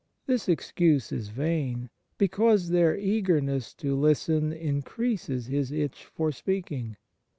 This excuse is vain, because their eagerness to listen in creases his itch for speaking.